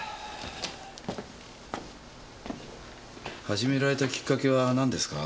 始められたきっかけは何ですか？